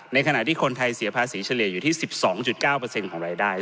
ขณะที่คนไทยเสียภาษีเฉลี่ยอยู่ที่๑๒๙ของรายได้